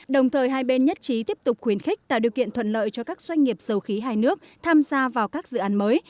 đồng thời hai bên nhất trí tiếp tục khuyến khích tạo điều kiện thuận lợi cho các doanh nghiệp dầu khí hai nước tham gia vào các dự án mới